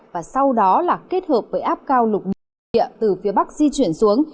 và sau đó là kết hợp với áp cao lục địa từ phía bắc di chuyển xuống